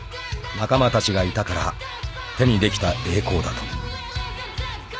［仲間たちがいたから手にできた栄光だと］